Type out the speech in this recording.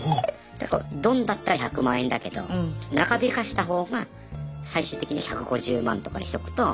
「どん」だったら１００万円だけど長引かせたほうが最終的に１５０万とかにしとくと。